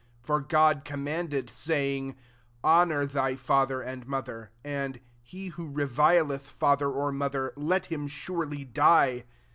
For God command ed, saying, * Honour thy father and mother :* and, * He who re ▼3cth father or mother, let him surely die.'